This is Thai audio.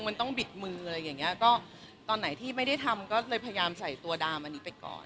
มันต้องบิดมืออะไรอย่างเงี้ยก็ตอนไหนที่ไม่ได้ทำก็เลยพยายามใส่ตัวดามอันนี้ไปก่อน